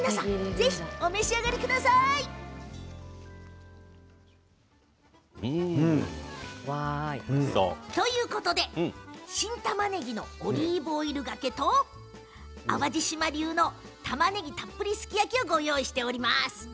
ぜひお召し上がりください！ということで新たまねぎのオリーブオイルがけと淡路島流のたまねぎたっぷりすき焼きをご用意しております。